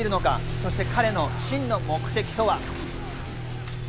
そして彼の真の目的とは。